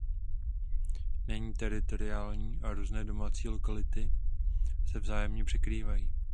Není teritoriální a různé domácí lokality se vzájemně překrývají.